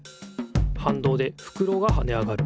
はんどうでふくろがはね上がる。